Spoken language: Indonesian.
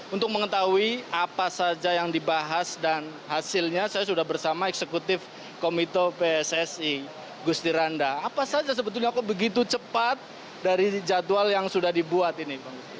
untuk mengetahui apa saja yang dibahas dan hasilnya saya sudah bersama eksekutif komito pssi gusti randa apa saja sebetulnya kok begitu cepat dari jadwal yang sudah dibuat ini